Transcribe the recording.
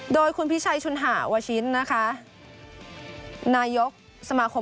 โดยคุณพิชัยชุนหาวชิ้นนะคะนายกสมาคม